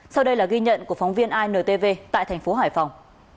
sau đây là ghi nhận của phóng viên intv tại thành phố hải phòng